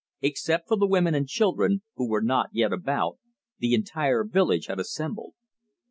Except for the women and children, who were not yet about, the entire village had assembled.